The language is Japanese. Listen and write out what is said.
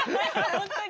本当に。